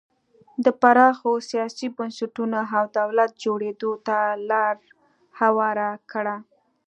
د پراخو سیاسي بنسټونو او دولت جوړېدو ته لار هواره کړه.